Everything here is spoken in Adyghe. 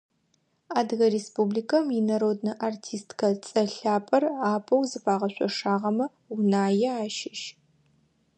Адыгэ Республикэм инароднэ артисткэ цӀэ лъапӀэр апэу зыфагъэшъошагъэмэ Унае ащыщ.